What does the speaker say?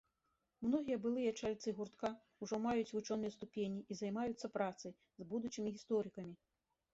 Многія былыя чальцы гуртка ўжо маюць вучоныя ступені і займаюцца працай з будучымі гісторыкамі.